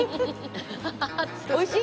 おいしい？